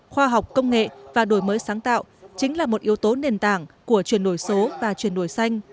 khoa học công nghệ và đổi mới sáng tạo chính là một yếu tố nền tảng của chuyển đổi số và chuyển đổi xanh